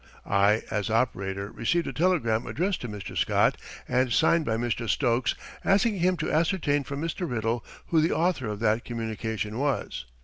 I, as operator, received a telegram addressed to Mr. Scott and signed by Mr. Stokes, asking him to ascertain from Mr. Riddle who the author of that communication was.